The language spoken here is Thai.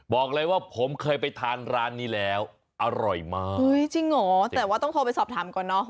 บอกเลยว่าผมเคยไปทานร้านนี้แล้วอร่อยมากจริงเหรอแต่ว่าต้องโทรไปสอบถามก่อนเนอะ